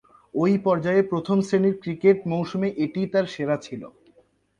ঐ পর্যায়ে প্রথম-শ্রেণীর ক্রিকেট মৌসুমে এটিই তার সেরা ছিল।